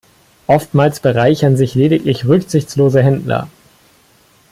Oftmals bereichern sich lediglich rücksichtslose Händler.